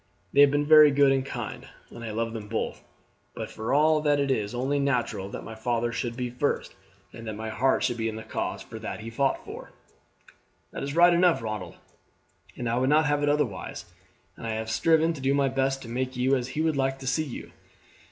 "They have been very good and kind, and I love them both; but for all that it is only natural that my father should be first, and that my heart should be in the cause that he fought for." "That is right enough, Ronald, and I would not have it otherwise, and I have striven to do my best to make you as he would like to see you.